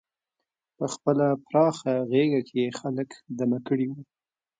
په خپله پراخه غېږه کې یې خلک دمه کړي وو.